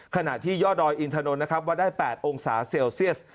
ขณะที่ย่อดอยอินทานนท์วัดได้๘องศาเซลเซียส